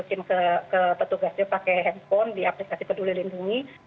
kita bisa tuju tuju ke petugasnya pakai handphone di aplikasi peduli lindungi